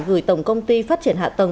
gửi tổng công ty phát triển hạ tầng